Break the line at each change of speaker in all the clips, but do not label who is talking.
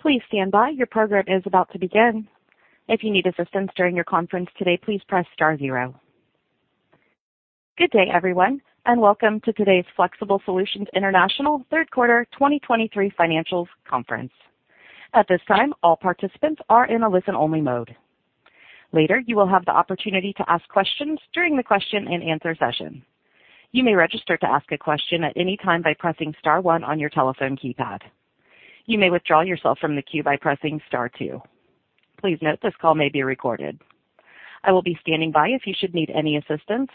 Please stand by. Your program is about to begin. If you need assistance during your conference today, please press star zero. Good day, everyone, and welcome to today's Flexible Solutions International third quarter 2023 financials conference. At this time, all participants are in a listen-only mode. Later, you will have the opportunity to ask questions during the question-and-answer session. You may register to ask a question at any time by pressing star one on your telephone keypad. You may withdraw yourself from the queue by pressing star two. Please note, this call may be recorded. I will be standing by if you should need any assistance.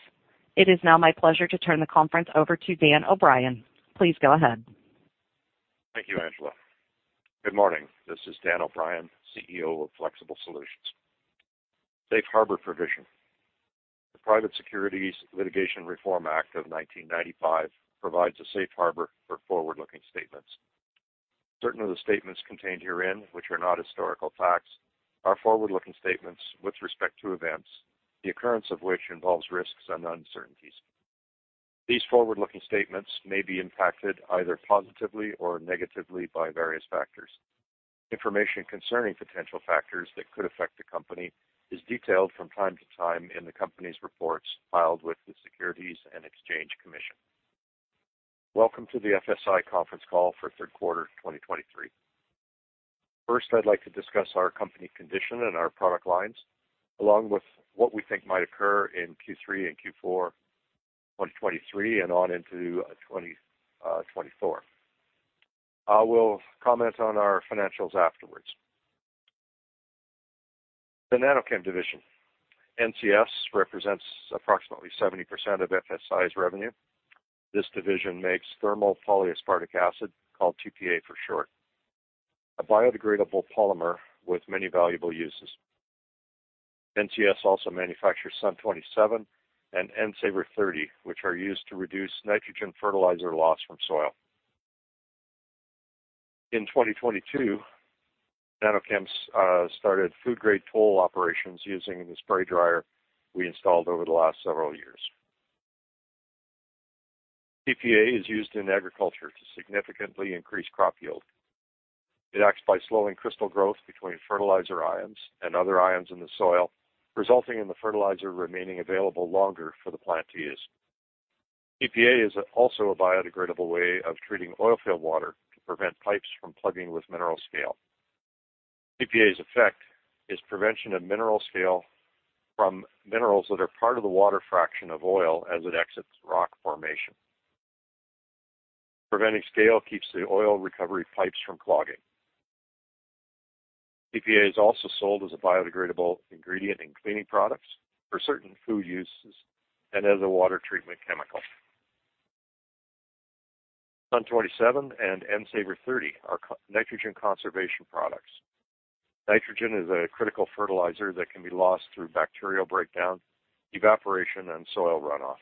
It is now my pleasure to turn the conference over to Dan O'Brien. Please go ahead.
Thank you, Angela. Good morning. This is Dan O'Brien, CEO of Flexible Solutions. Safe Harbor Provision. The Private Securities Litigation Reform Act of 1995 provides a safe harbor for forward-looking statements. Certain of the statements contained herein, which are not historical facts, are forward-looking statements with respect to events, the occurrence of which involves risks and uncertainties. These forward-looking statements may be impacted either positively or negatively by various factors. Information concerning potential factors that could affect the company is detailed from time to time in the company's reports filed with the Securities and Exchange Commission. Welcome to the FSI conference call for third quarter 2023. First, I'd like to discuss our company condition and our product lines, along with what we think might occur in Q3 and Q4 2023 and on into 2024. I will comment on our financials afterwards. The NanoChem division. NCS represents approximately 70% of FSI's revenue. This division makes thermal polyaspartic acid, called TPA for short, a biodegradable polymer with many valuable uses. NCS also manufactures SUN 27 and N-Savr 30, which are used to reduce nitrogen fertilizer loss from soil. In 2022, NanoChem started food-grade toll operations using the spray dryer we installed over the last several years. TPA is used in agriculture to significantly increase crop yield. It acts by slowing crystal growth between fertilizer ions and other ions in the soil, resulting in the fertilizer remaining available longer for the plant to use. TPA is also a biodegradable way of treating oil field water to prevent pipes from plugging with mineral scale. TPA's effect is prevention of mineral scale from minerals that are part of the water fraction of oil as it exits rock formation. Preventing scale keeps the oil recovery pipes from clogging. TPA is also sold as a biodegradable ingredient in cleaning products for certain food uses and as a water treatment chemical. SUN 27 and N-Savr 30 are our nitrogen conservation products. Nitrogen is a critical fertilizer that can be lost through bacterial breakdown, evaporation, and soil runoff.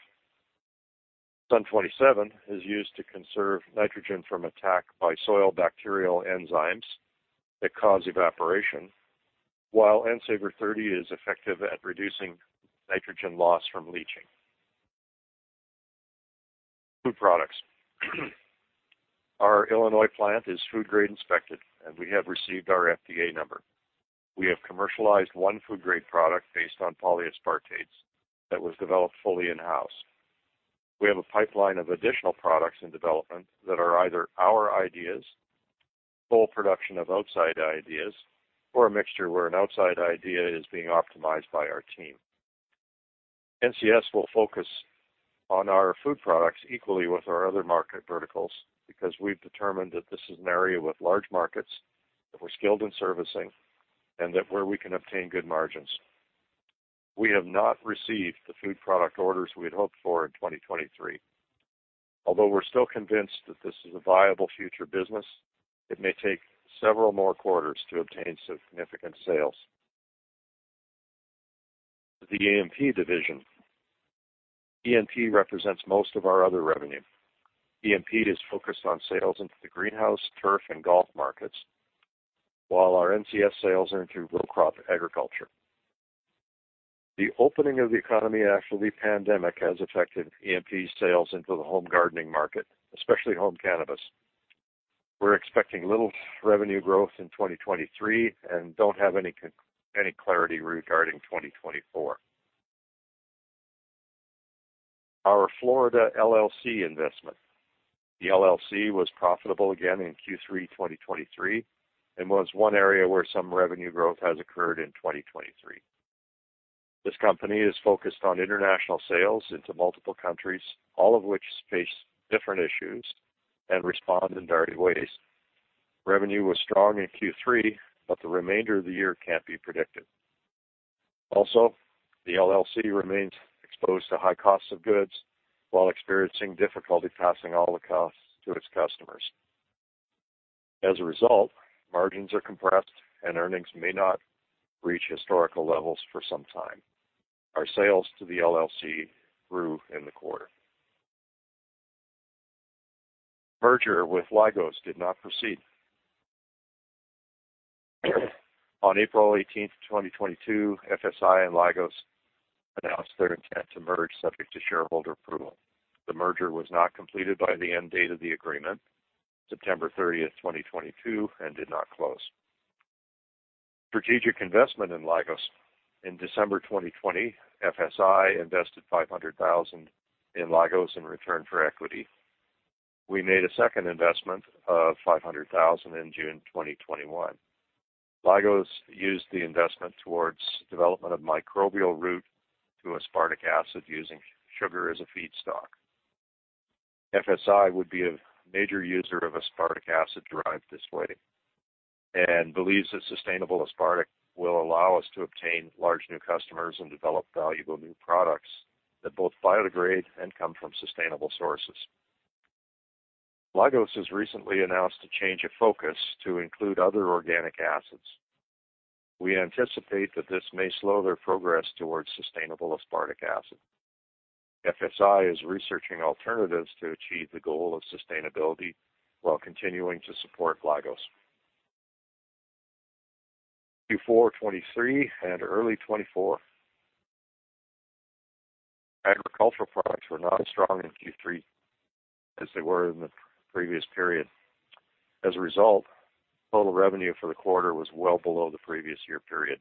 SUN 27 is used to conserve nitrogen from attack by soil bacterial enzymes that cause evaporation, while N-Savr 30 is effective at reducing nitrogen loss from leaching. Food products. Our Illinois plant is food-grade inspected, and we have received our FDA number. We have commercialized one food-grade product based on polyaspartates that was developed fully in-house. We have a pipeline of additional products in development that are either our ideas, full production of outside ideas, or a mixture where an outside idea is being optimized by our team. NCS will focus on our food products equally with our other market verticals because we've determined that this is an area with large markets that we're skilled in servicing and that where we can obtain good margins. We have not received the food product orders we had hoped for in 2023. Although we're still convinced that this is a viable future business, it may take several more quarters to obtain significant sales. The EMP division. EMP represents most of our other revenue. EMP is focused on sales into the greenhouse, turf, and golf markets, while our NCS sales are into row crop agriculture. The opening of the economy after the pandemic has affected EMP sales into the home gardening market, especially home cannabis. We're expecting little revenue growth in 2023 and don't have any clarity regarding 2024. Our Florida LLC investment. The LLC was profitable again in Q3 2023 and was one area where some revenue growth has occurred in 2023. This company is focused on international sales into multiple countries, all of which face different issues and respond in varied ways. Revenue was strong in Q3, but the remainder of the year can't be predicted. Also, the LLC remains exposed to high costs of goods while experiencing difficulty passing all the costs to its customers. As a result, margins are compressed and earnings may not reach historical levels for some time. Our sales to the LLC grew in the quarter. Merger with Lygos did not proceed. On April 18, 2022, FSI and Lygos announced their intent to merge, subject to shareholder approval. The merger was not completed by the end date of the agreement, September 30, 2022, and did not close. Strategic investment in Lygos. In December 2020, FSI invested $500,000 in Lygos in return for equity. We made a second investment of $500,000 in June 2021. Lygos used the investment towards development of microbial route to aspartic acid using sugar as a feedstock. FSI would be a major user of aspartic acid derived this way, and believes that sustainable aspartic will allow us to obtain large new customers and develop valuable new products that both biodegrade and come from sustainable sources. Lygos has recently announced a change of focus to include other organic acids. We anticipate that this may slow their progress towards sustainable aspartic acid. FSI is researching alternatives to achieve the goal of sustainability while continuing to support Lygos. Q4 2023 and early 2024. Agricultural products were not as strong in Q3 as they were in the previous period. As a result, total revenue for the quarter was well below the previous year period.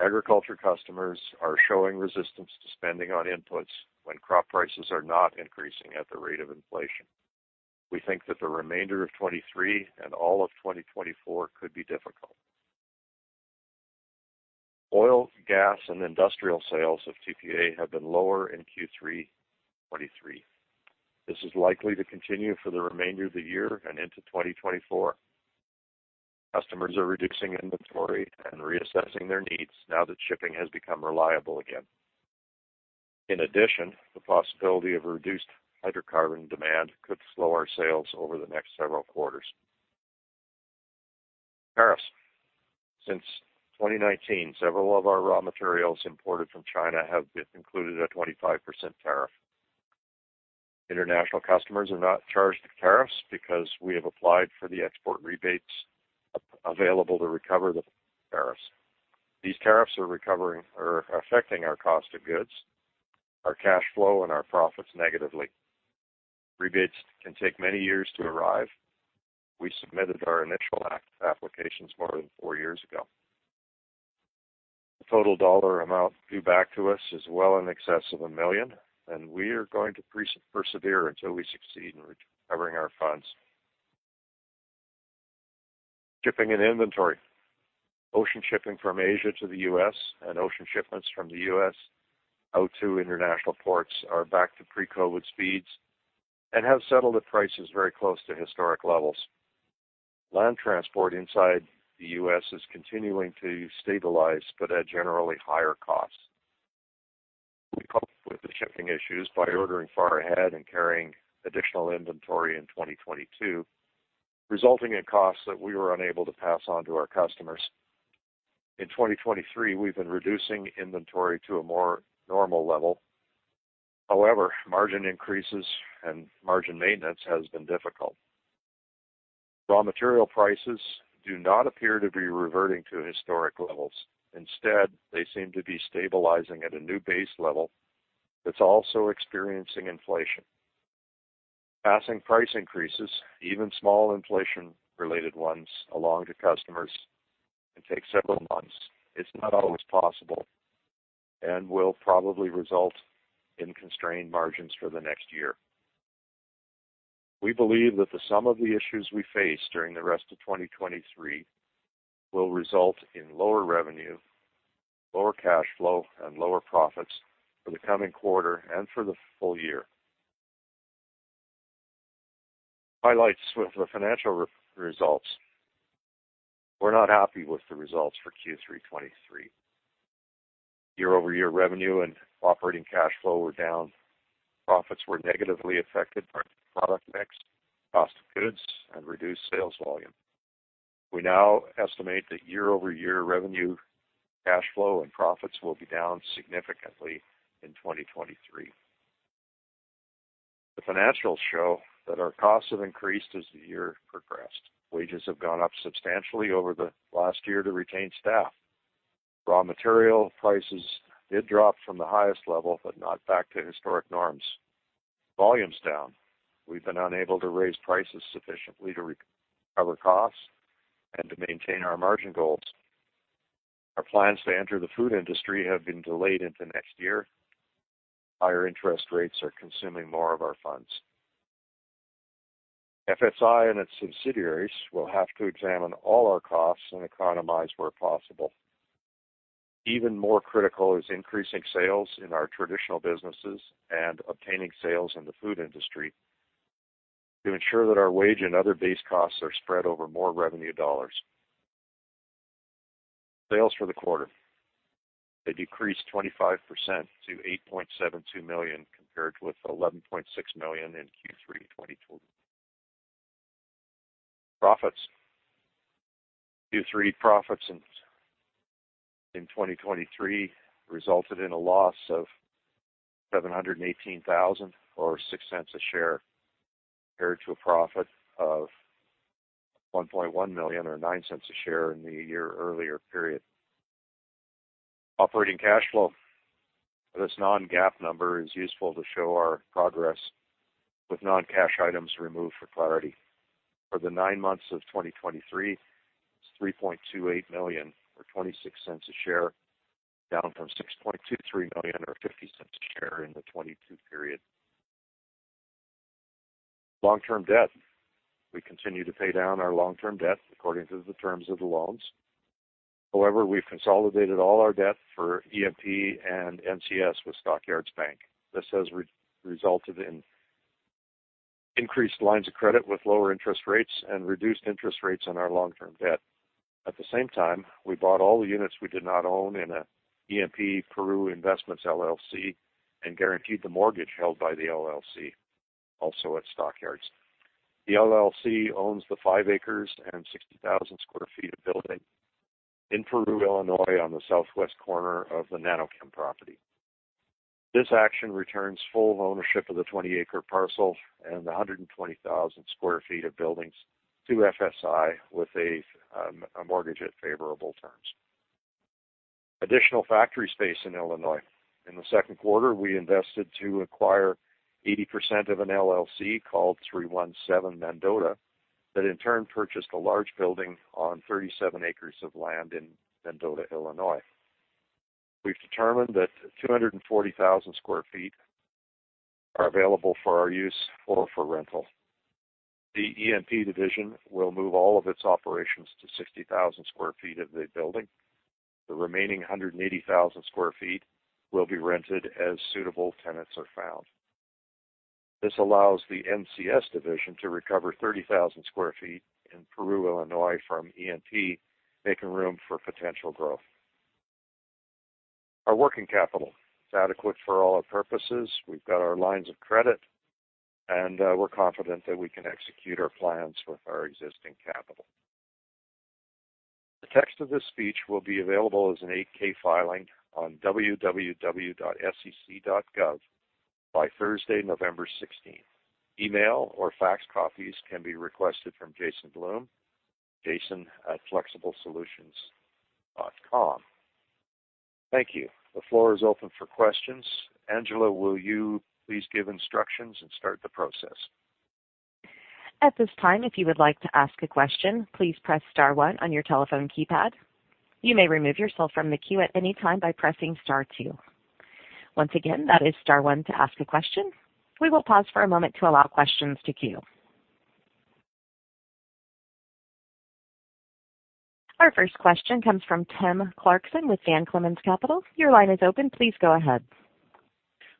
Agriculture customers are showing resistance to spending on inputs when crop prices are not increasing at the rate of inflation. We think that the remainder of 2023 and all of 2024 could be difficult. Oil, gas, and industrial sales of TPA have been lower in Q3 2023. This is likely to continue for the remainder of the year and into 2024. Customers are reducing inventory and reassessing their needs now that shipping has become reliable again. In addition, the possibility of reduced hydrocarbon demand could slow our sales over the next several quarters. Tariffs. Since 2019, several of our raw materials imported from China have been included a 25% tariff. International customers are not charged the tariffs because we have applied for the export rebates available to recover the tariffs. These tariffs are recovering or affecting our cost of goods, our cash flow, and our profits negatively. Rebates can take many years to arrive. We submitted our initial applications more than four years ago. The total dollar amount due back to us is well in excess of $1 million, and we are going to persevere until we succeed in recovering our funds. Shipping and inventory. Ocean shipping from Asia to the U.S. and ocean shipments from the U.S. out to international ports are back to pre-COVID speeds and have settled at prices very close to historic levels. Land transport inside the U.S. is continuing to stabilize, but at generally higher costs. We coped with the shipping issues by ordering far ahead and carrying additional inventory in 2022, resulting in costs that we were unable to pass on to our customers. In 2023, we've been reducing inventory to a more normal level. However, margin increases and margin maintenance has been difficult. Raw material prices do not appear to be reverting to historic levels. Instead, they seem to be stabilizing at a new base level that's also experiencing inflation. Passing price increases, even small inflation-related ones, along to customers can take several months. It's not always possible and will probably result in constrained margins for the next year. We believe that the sum of the issues we face during the rest of 2023 will result in lower revenue, lower cash flow, and lower profits for the coming quarter and for the full year. Highlights with the financial results. We're not happy with the results for Q3 2023. Year-over-year revenue and operating cash flow were down. Profits were negatively affected by product mix, cost of goods, and reduced sales volume. We now estimate that year-over-year revenue, cash flow, and profits will be down significantly in 2023. The financials show that our costs have increased as the year progressed. Wages have gone up substantially over the last year to retain staff. Raw material prices did drop from the highest level, but not back to historic norms. Volumes down. We've been unable to raise prices sufficiently to recover costs and to maintain our margin goals. Our plans to enter the food industry have been delayed into next year. Higher interest rates are consuming more of our funds. FSI and its subsidiaries will have to examine all our costs and economize where possible. Even more critical is increasing sales in our traditional businesses and obtaining sales in the food industry to ensure that our wage and other base costs are spread over more revenue dollars. Sales for the quarter, they decreased 25% to $8.72 million, compared with $11.6 million in Q3 2020. Profits. Q3 profits in 2023 resulted in a loss of $718,000 or six cents a share, compared to a profit of $1.1 million or nine cents a share in the year earlier period. Operating cash flow. This non-GAAP number is useful to show our progress, with non-cash items removed for clarity. For the nine months of 2023, it's $3.28 million or twenty-six cents a share, down from $6.23 million or fifty cents a share in the 2022 period. Long-term debt. We continue to pay down our long-term debt according to the terms of the loans. However, we've consolidated all our debt for EMP and NCS with Stock Yards Bank. This has re-resulted in increased lines of credit with lower interest rates and reduced interest rates on our long-term debt. At the same time, we bought all the units we did not own in EnP Peru Investments, LLC, and guaranteed the mortgage held by the LLC, also at Stock Yards. The LLC owns the 5 acres and 60,000 sq ft of building in Peru, Illinois, on the southwest corner of the NanoChem property. This action returns full ownership of the 20-acre parcel and the 120,000 sq ft of buildings to FSI with a mortgage at favorable terms. Additional factory space in Illinois. In the second quarter, we invested to acquire 80% of an LLC called 317 Mendota, that in turn purchased a large building on 37 acres of land in Mendota, Illinois. We've determined that 240,000 sq ft are available for our use or for rental. The EMP division will move all of its operations to 60,000 sq ft of the building. The remaining 180,000 sq ft will be rented as suitable tenants are found. This allows the NCS division to recover 30,000 sq ft in Peru, Illinois, from EMP, making room for potential growth. Our working capital is adequate for all our purposes. We've got our lines of credit, and, we're confident that we can execute our plans with our existing capital. The text of this speech will be available as an 8-K filing on www.sec.gov by Thursday, November 16th. Email or fax copies can be requested from Jason Bloom, jason@flexiblesolutions.com. Thank you. The floor is open for questions. Angela, will you please give instructions and start the process?
At this time, if you would like to ask a question, please press star one on your telephone keypad. You may remove yourself from the queue at any time by pressing star two. Once again, that is star one to ask a question. We will pause for a moment to allow questions to queue. Our first question comes from Tim Clarkson with Van Clemens & Co. Your line is open. Please go ahead.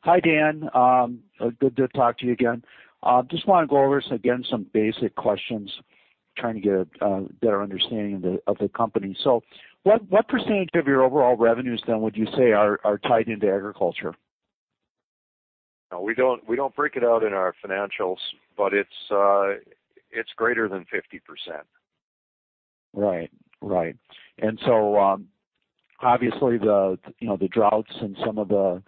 Hi, Dan. Good to talk to you again. Just want to go over again some basic questions, trying to get a better understanding of the company. So what percentage of your overall revenues then, would you say are tied into agriculture?
We don't, we don't break it out in our financials, but it's, it's greater than 50%.
Right. Right. And so, obviously, you know, the droughts and some of the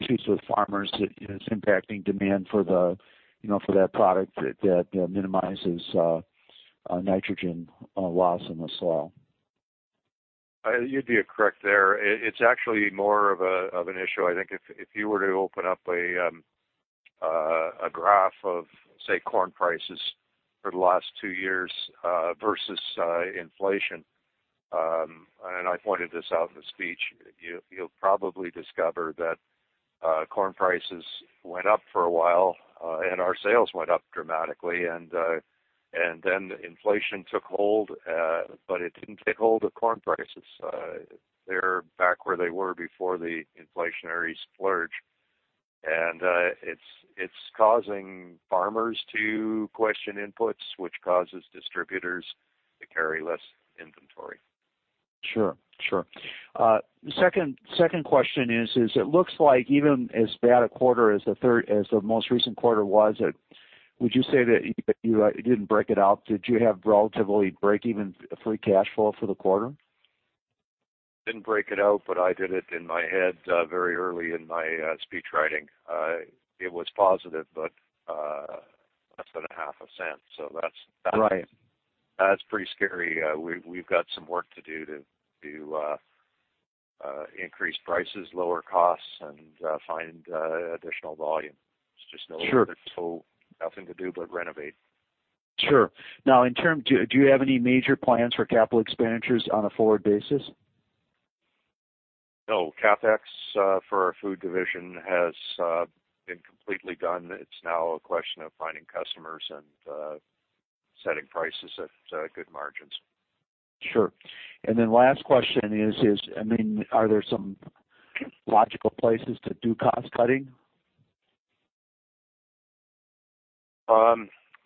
issues with farmers is impacting demand for the, you know, for that product that minimizes nitrogen loss in the soil.
You'd be correct there. It's actually more of an issue. I think if you were to open up a graph of, say, corn prices for the last two years versus inflation, and I pointed this out in the speech, you'll probably discover that corn prices went up for a while and our sales went up dramatically, and then inflation took hold, but it didn't take hold of corn prices. They're back where they were before the inflationary splurge, and it's causing farmers to question inputs, which causes distributors to carry less inventory.
Sure, sure. The second, second question is, it looks like even as bad a quarter as the third, as the most recent quarter was, would you say that you, you didn't break it out? Did you have relatively breakeven free cash flow for the quarter?
Didn't break it out, but I did it in my head very early in my speech writing. It was positive, but less than $0.005. So that's-
Right.
That's pretty scary. We've got some work to do to increase prices, lower costs, and find additional volume.
Sure.
It's just a little bit, so nothing to do but renovate.
Sure. Now, in terms, do you have any major plans for capital expenditures on a forward basis?
No. CapEx for our food division has been completely done. It's now a question of finding customers and setting prices at good margins.
Sure. And then last question is, I mean, are there some logical places to do cost cutting?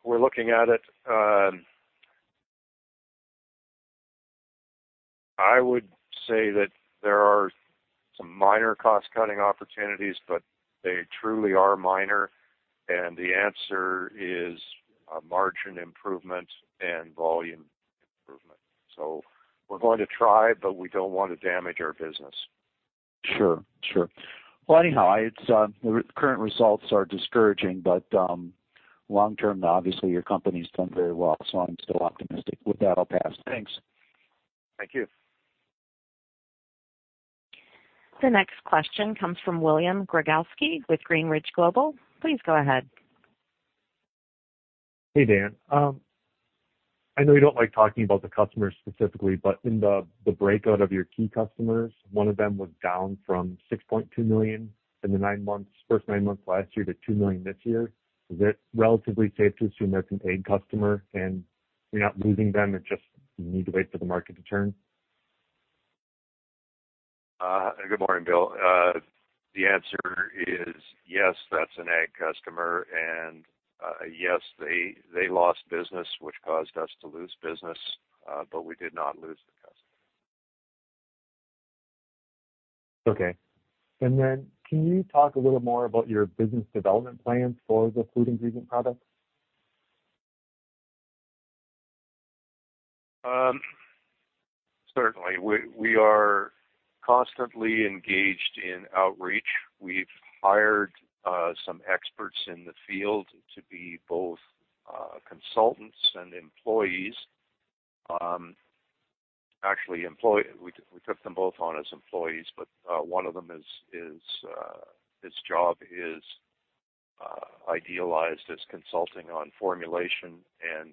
We're looking at it. I would say that there are two minor cost cutting opportunities, but they truly are minor. And the answer is a margin improvement and volume improvement. So we're going to try, but we don't want to damage our business.
Sure, sure. Well, anyhow, it's, the current results are discouraging, but, long term, obviously, your company's done very well, so I'm still optimistic. With that, I'll pass. Thanks.
Thank you.
The next question comes from William Gregozeski with Greenridge Global. Please go ahead.
Hey, Dan. I know you don't like talking about the customers specifically, but in the breakout of your key customers, one of them was down from $6.2 million in the first nine months last year to $2 million this year. Is it relatively safe to assume that's an ag customer and you're not losing them, it just you need to wait for the market to turn?
Good morning, Bill. The answer is yes, that's an ag customer. And yes, they lost business, which caused us to lose business, but we did not lose the customer.
Okay. And then can you talk a little more about your business development plan for the food ingredient products?
Certainly. We are constantly engaged in outreach. We've hired some experts in the field to be both consultants and employees. Actually, we took them both on as employees, but one of them is. His job is idealized as consulting on formulation and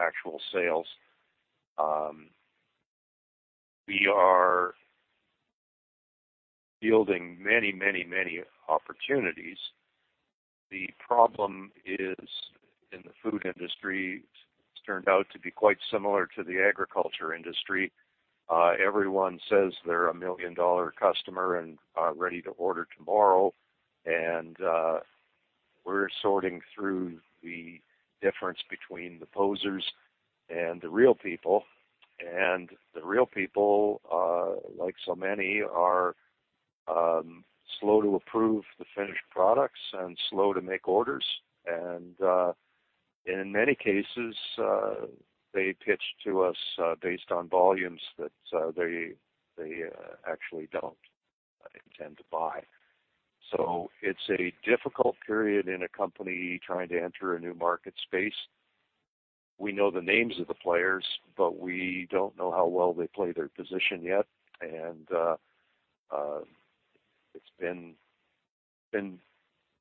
actual sales. We are yielding many, many, many opportunities. The problem is, in the food industry, it's turned out to be quite similar to the agriculture industry. Everyone says they're a million-dollar customer and ready to order tomorrow. And we're sorting through the difference between the posers and the real people. And the real people, like so many, are slow to approve the finished products and slow to make orders. In many cases, they pitch to us based on volumes that they actually don't intend to buy. So it's a difficult period in a company trying to enter a new market space. We know the names of the players, but we don't know how well they play their position yet. It's been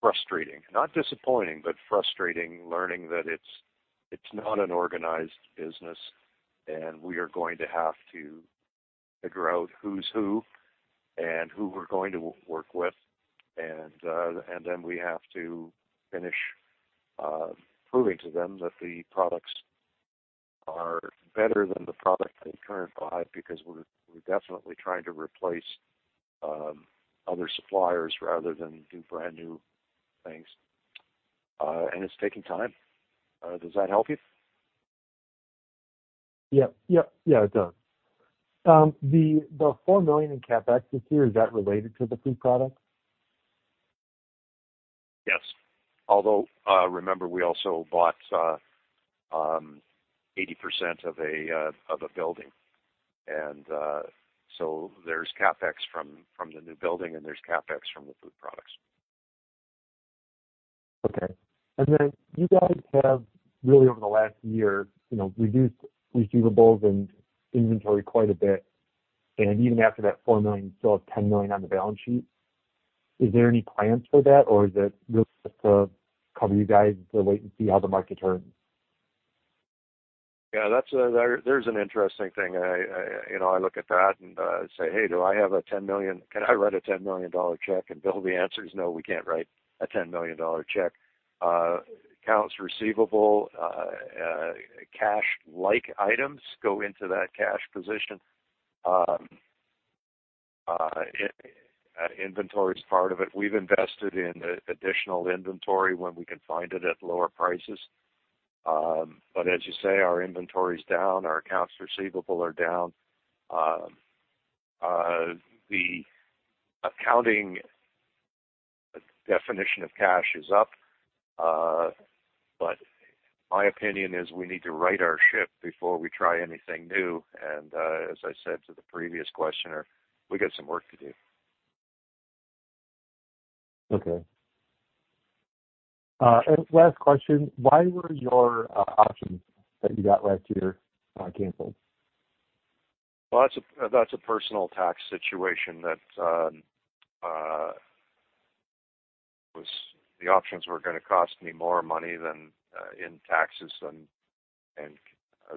frustrating, not disappointing, but frustrating, learning that it's not an organized business, and we are going to have to figure out who's who and who we're going to work with. And then we have to finish proving to them that the products are better than the product they currently buy, because we're definitely trying to replace other suppliers rather than do brand new things. And it's taking time. Does that help you?
Yep, yep. Yeah, it does. The $4 million in CapEx this year, is that related to the food product?
Yes. Although, remember, we also bought 80% of a building. So there's CapEx from the new building, and there's CapEx from the food products.
Okay. Then you guys have really, over the last year, you know, reduced receivables and inventory quite a bit. Even after that $4 million, you still have $10 million on the balance sheet. Is there any plans for that, or is it really just to cover you guys to wait and see how the market turns?
Yeah, that's an interesting thing. You know, I look at that and say, hey, do I have $10 million? Can I write a $10 million check? And Bill, the answer is no, we can't write a $10 million check. Accounts receivable, cash-like items go into that cash position. Inventory is part of it. We've invested in additional inventory when we can find it at lower prices. But as you say, our inventory is down, our accounts receivable are down. The accounting definition of cash is up. But my opinion is we need to right our ship before we try anything new. And as I said to the previous questioner, we got some work to do.
Okay. And last question, why were your options that you got last year canceled?
Well, that's a personal tax situation that was. The options were gonna cost me more money in taxes than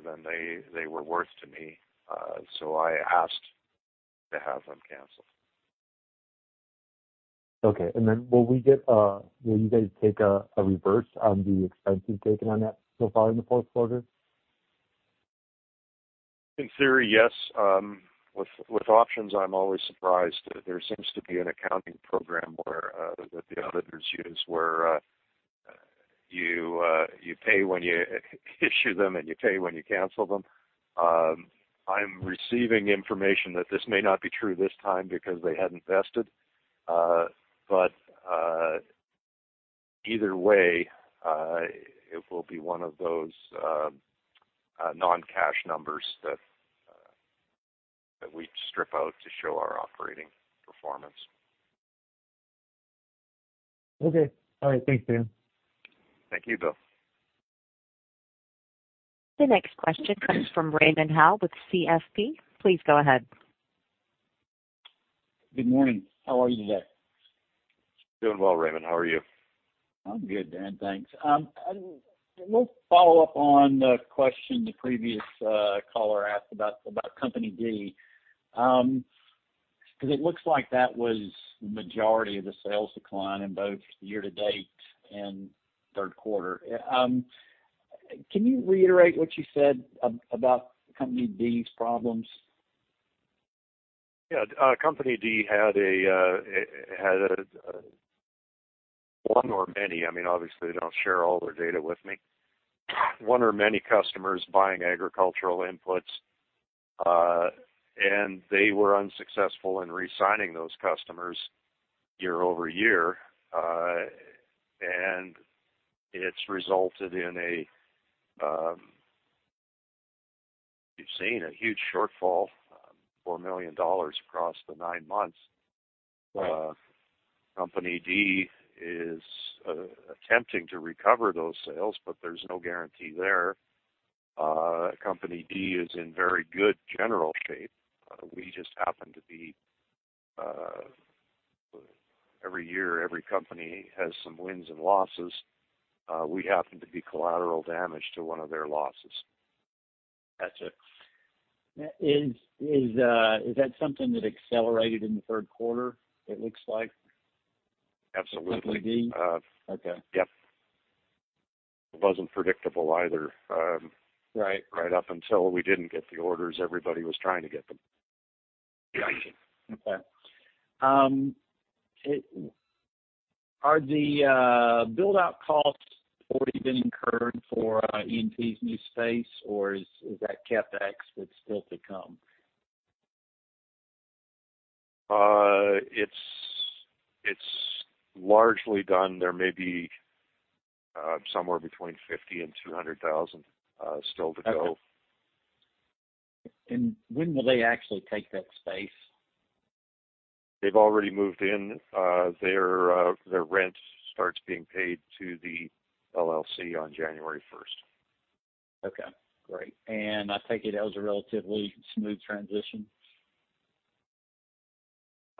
they were worth to me. So I asked to have them canceled.
Okay. Then will you guys take a reverse on the expense you've taken on that so far in the fourth quarter?
In theory, yes. With, with options, I'm always surprised. There seems to be an accounting program where that the auditors use, where you pay when you issue them, and you pay when you cancel them. I'm receiving information that this may not be true this time because they hadn't vested. But, either way, it will be one of those, non-cash numbers that that we strip out to show our operating performance.
Okay. All right. Thanks, Dan.
Thank you, Bill.
The next question comes from Raymond Howe with CFP. Please go ahead.
Good morning. How are you today?
Doing well, Raymond, how are you?
I'm good, Dan. Thanks. I want to follow up on the question the previous caller asked about, about Company D. Because it looks like that was the majority of the sales decline in both year-to-date and third quarter. Can you reiterate what you said about Company D's problems?
Yeah. Company D had one or many, I mean, obviously, they don't share all their data with me. One or many customers buying agricultural inputs, and they were unsuccessful in re-signing those customers year-over-year. And it's resulted in a, we've seen a huge shortfall, $4 million across the nine months.
Right.
Company D is attempting to recover those sales, but there's no guarantee there. Company D is in very good general shape. We just happen to be. Every year, every company has some wins and losses. We happen to be collateral damage to one of their losses.
Got you. Is, is, is that something that accelerated in the third quarter, it looks like?
Absolutely.
Company D? Okay.
Yep. It wasn't predictable either.
Right.
Right up until we didn't get the orders, everybody was trying to get them. Yeah.
Okay. Are the build-out costs already been incurred for EMP's new space, or is that CapEx that's still to come?
It's largely done. There may be somewhere between $50,000 and $200,000 still to go.
Okay. And when will they actually take that space?
They've already moved in. Their rent starts being paid to the LLC on January first.
Okay, great. And I take it that was a relatively smooth transition?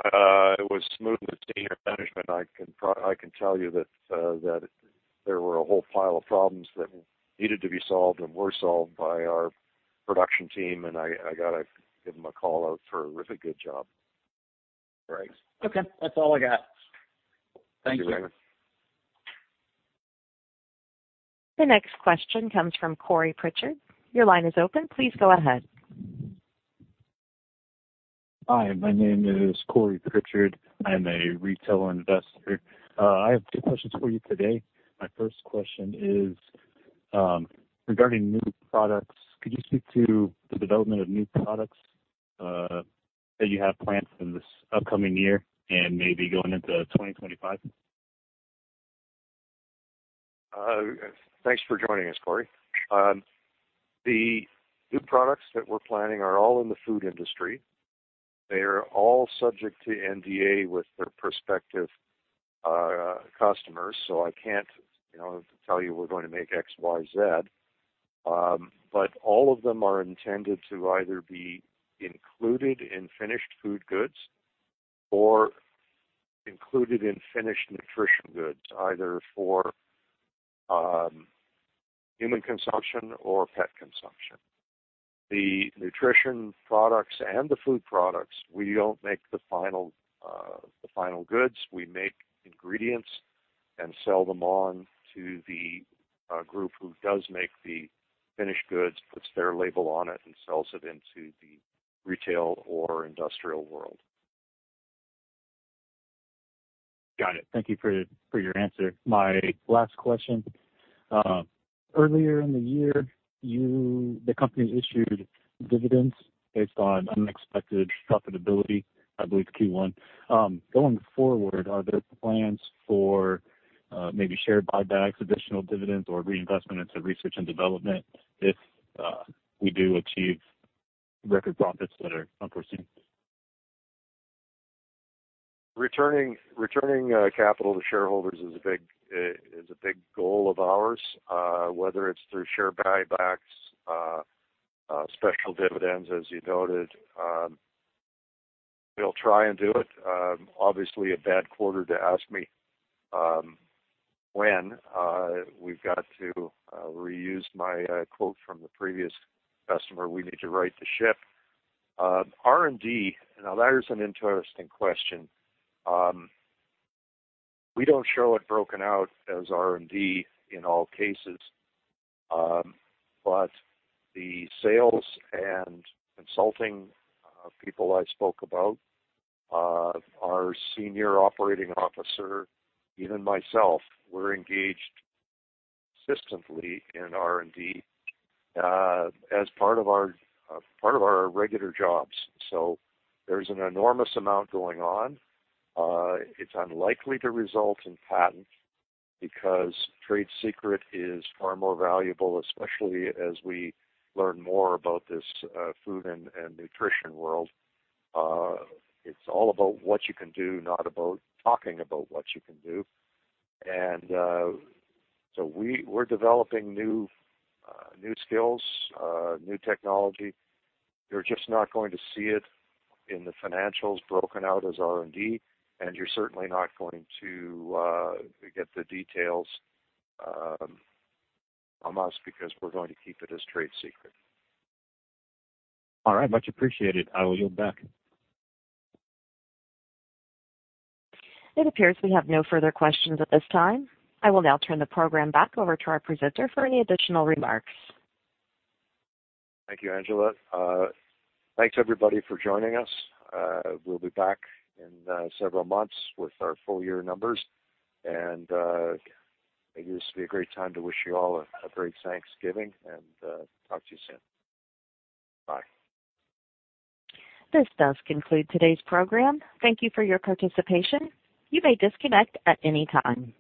It was smooth with senior management. I can tell you that there were a whole pile of problems that needed to be solved and were solved by our production team, and I got to give them a call out for a really good job.
Great. Okay, that's all I got. Thank you.
Thank you, Raymond.
The next question comes from Corey Pritchard. Your line is open. Please go ahead.
Hi, my name is Corey Pritchard. I'm a retail investor. I have two questions for you today. My first question is regarding new products. Could you speak to the development of new products that you have planned for this upcoming year and maybe going into 2025?
Thanks for joining us, Corey. The new products that we're planning are all in the food industry. They are all subject to NDA with their prospective customers, so I can't, you know, tell you we're going to make X, Y, Z. But all of them are intended to either be included in finished food goods or included in finished nutrition goods, either for human consumption or pet consumption. The nutrition products and the food products, we don't make the final, the final goods. We make ingredients and sell them on to the group who does make the finished goods, puts their label on it, and sells it into the retail or industrial world.
Got it. Thank you for your answer. My last question, earlier in the year, you, the company issued dividends based on unexpected profitability, I believe Q1. Going forward, are there plans for, maybe share buybacks, additional dividends, or reinvestment into research and development if, we do achieve record profits that are unforeseen?
Returning capital to shareholders is a big goal of ours, whether it's through share buybacks, special dividends, as you noted, we'll try and do it. Obviously, a bad quarter to ask me, when we've got to reuse my quote from the previous customer, we need to right the ship. R&D, now, that is an interesting question. We don't show it broken out as R&D in all cases. But the sales and consulting people I spoke about, our senior operating officer, even myself, we're engaged consistently in R&D, as part of our regular jobs. So there's an enormous amount going on. It's unlikely to result in patent because trade secret is far more valuable, especially as we learn more about this food and nutrition world. It's all about what you can do, not about talking about what you can do. And so we're developing new skills, new technology. You're just not going to see it in the financials broken out as R&D, and you're certainly not going to get the details from us because we're going to keep it as trade secret.
All right. Much appreciated. I will yield back.
It appears we have no further questions at this time. I will now turn the program back over to our presenter for any additional remarks.
Thank you, Angela. Thanks, everybody, for joining us. We'll be back in several months with our full year numbers, and maybe this will be a great time to wish you all a great Thanksgiving, and talk to you soon. Bye.
This does conclude today's program. Thank you for your participation. You may disconnect at any time.